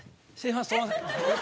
「すみません」。